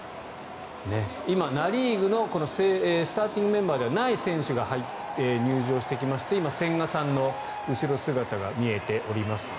今、ナ・リーグのスターティングメンバーではない選手が入場してきまして今、千賀さんの後ろ姿が見えております。